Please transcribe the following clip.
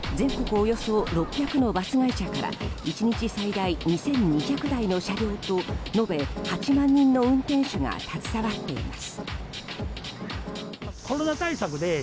およそ６００のバス会社から１日最大２２００台の車両と延べ８万人の運転手が携わっています。